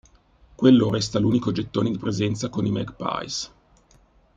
Quello resta l'unico gettone di presenza con i "Magpies".